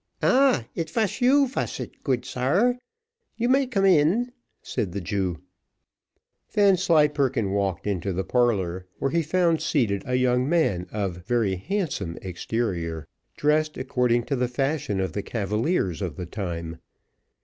"Ah! it vash you, vash it, good sar? you may come in," said the Jew. Vanslyperken walked into the parlour, where he found seated a young man of very handsome exterior, dressed according to the fashion of the cavaliers of the time.